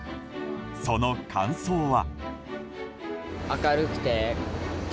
その感想は。